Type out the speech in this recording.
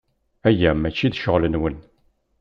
Aya maci d ccɣel-nwen.